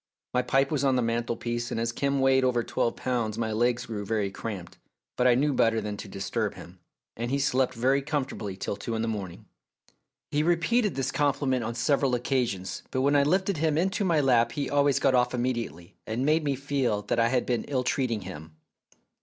My pipe was on the mantelpiece, and as Kim weighed A DISTINGUISHED GUEST 177 over twelve pounds my legs grew very cramped ; but I knew better than to disturb him, and he slept very comfortably till two in the morning. He repeated this compli ment on several occasions, but when I lifted him into my lap he always got off imme diately, and made me feel that I had been ill treating him.